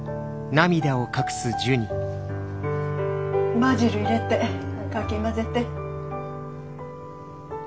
バジル入れてかき混ぜて。